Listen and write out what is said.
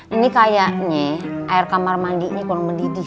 ini kayaknya air kamar mandi ini kurang mendidih